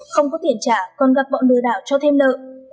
không có tiền trả còn gặp bọn lừa đảo cho thêm nợ